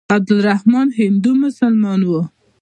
عبدالرحمن هندو مسلمان وو.